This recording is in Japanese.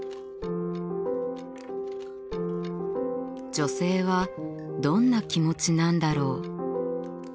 女性はどんな気持ちなんだろう？